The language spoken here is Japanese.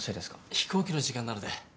飛行機の時間なので。